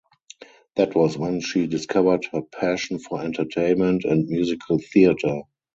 That was when she discovered her passion for entertainment and musical theatre.